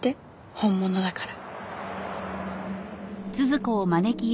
本物だから。